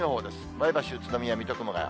前橋、宇都宮、水戸、熊谷。